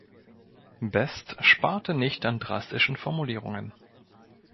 Best sparte nicht an drastischen Formulierungen.